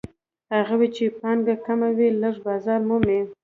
هغوی چې پانګه یې کمه وي لږ بازار مومي